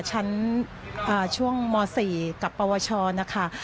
ช่วงม๔กับปวชนะคะ